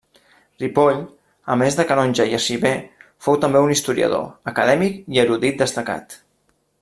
Ripoll, a més de canonge i arxiver, fou també un historiador, acadèmic i erudit destacat.